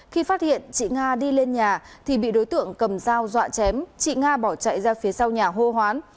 khi phát hiện chị nga đi lên nhà thì bị đối tượng cầm dao dọa chém chị nga bỏ chạy ra phía sau nhà hô hoán